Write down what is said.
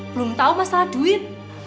belum tahu masalah duit